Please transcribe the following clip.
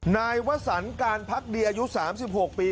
นายวสันการพักดีอายุ๓๖ปี